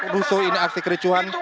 rusuh ini aksi kericuhan